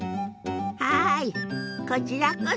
はいこちらこそ。